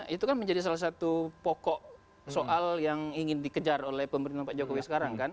itu kan menjadi salah satu pokok soal yang ingin dikejar oleh pemerintahan pak jokowi sekarang kan